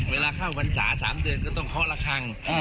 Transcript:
เวลาเข้าวันสาสามเดือนก็ต้องเข้าละครั้ง